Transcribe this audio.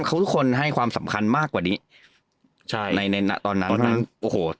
เขาทุกคนให้ความสำคัญมากกว่านี้ใช่ในในตอนนั้นตอนนั้นโอ้โห